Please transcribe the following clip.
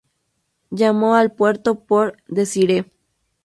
Llamó al puerto "Port Desire".